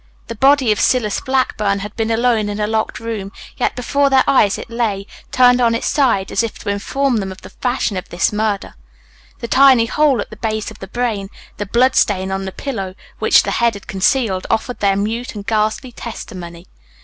The body of Silas Blackburn had been alone in a locked room, yet before their eyes it lay, turned on its side, as if to inform them of the fashion of this murder. The tiny hole at the base of the brain, the blood stain on the pillow, which the head had concealed, offered their mute and ghastly testimony.